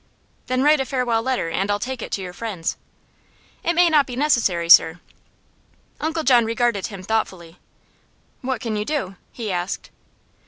"Then write a farewell letter, and I'll take it to your friends." "It may not be necessary, sir." Uncle John regarded him thoughtfully. "What can you do?" he asked.